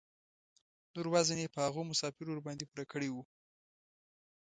نور وزن یې په هغو مسافرو ورباندې پوره کړی و.